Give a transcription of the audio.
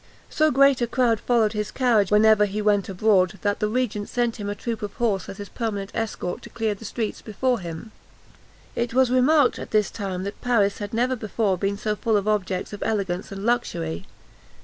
So great a crowd followed his carriage whenever he went abroad, that the regent sent him a troop of horse as his permanent escort to clear the streets before him. It was remarked at this time that Paris had never before been so full of objects of elegance and luxury.